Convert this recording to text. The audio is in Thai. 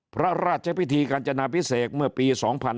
พระราชพิธีการจนาพิเศษเมื่อปี๒๕๕๙